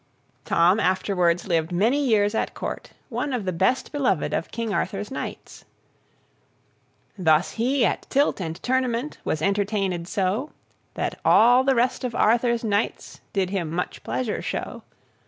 Tom afterwards lived many years at Court, one of the best beloved of King Arthur's knights. Thus he at tilt and tournament Was entertained so, That all the rest of Arthur's knights Did him much pleasure show.